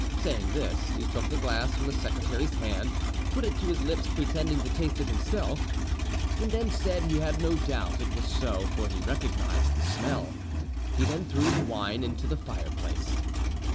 Saying this, he took the glass from the secretary's hand, put it to his lips, pretending to taste it himself, and then said he had no doubt it was so, for he recognised the smell. He then threw the wine into the fireplace.